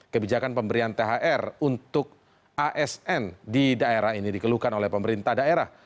kebijakan pemberian thr untuk asn di daerah ini dikeluhkan oleh pemerintah daerah